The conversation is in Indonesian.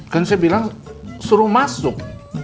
kan saya bilang suruh masuk